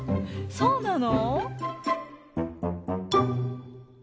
そうなの？